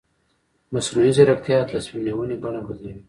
مصنوعي ځیرکتیا د تصمیم نیونې بڼه بدلوي.